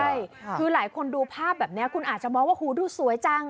ใช่คือหลายคนดูภาพแบบนี้คุณอาจจะมองว่าหูดูสวยจัง